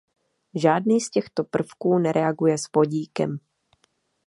Žádný z těchto prvků nereaguje s vodíkem.